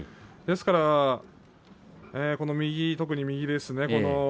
ですから特に右ですね。